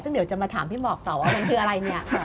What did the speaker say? ซึ่งเดี๋ยวจะมาถามพี่หมอกต่อว่ามันคืออะไรเนี่ย